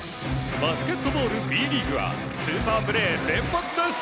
バスケットボールＢリーグはスーパープレー連発です。